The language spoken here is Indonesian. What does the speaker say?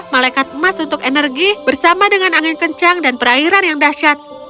malaikat emas untuk energi bersama dengan angin kencang dan perairan yang dahsyat